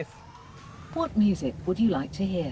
apa musik yang ingin anda dengar